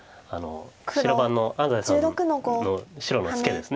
白番の安斎さんの白のツケです。